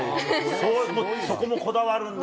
もうそこもこだわるんだ？